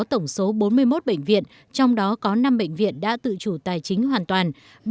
trong tổng số bốn mươi một bệnh viện trong đó có năm bệnh viện đã tự chủ tài chính hoàn toàn